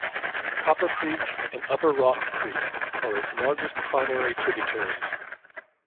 Copper Creek and Upper Rock Creek are its largest primary tributaries.